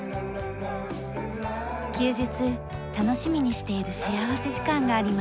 休日楽しみにしている幸福時間があります。